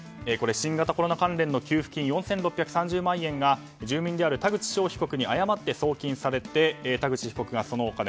新型コロナ関連の給付金４６３０万円が住民である田口翔被告に誤って送金されて田口被告がそのお金